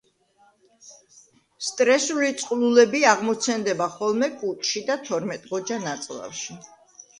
სტრესული წყლულები აღმოცენდება ხოლმე კუჭში და თორმეტგოჯა ნაწლავში.